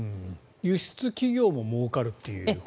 輸出企業ももうかるということですね？